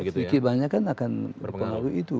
sedikit banyak kan akan berpengaruh itu